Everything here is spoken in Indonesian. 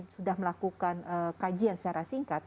sudah melakukan kajian secara singkat